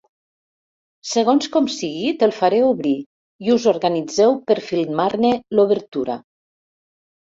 Segons com sigui te'l faré obrir i us organitzeu per filmar-ne l'obertura.